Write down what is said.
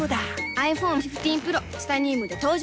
ｉＰｈｏｎｅ１５Ｐｒｏ チタニウムで登場